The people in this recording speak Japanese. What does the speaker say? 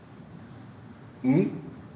うん？